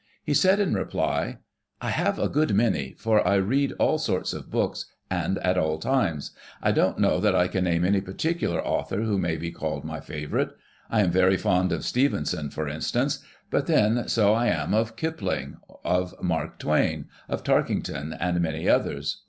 He said in reply: "I have a good many, for I read all sorts of books, and at all times. I don't know that I can name any particular author wlio may be called my favorite. I am very fond of Stevenson, for instance — but then, so I am of Kipling — of Mark Twain, of Tarkington, and many others.